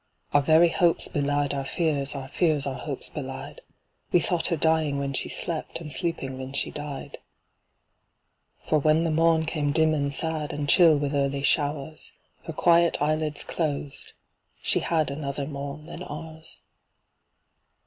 Our very hopes belied our fears, Our fears our hopes belied We thought her dying when she slept, And sleeping when she died. For when the morn came dim and sad, And chill with early showers, Her quiet eyelids closed she had Another morn than ours.